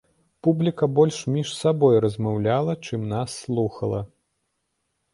Публіка больш між сабой размаўляла, чым нас слухала.